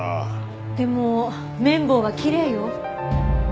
でも麺棒はきれいよ。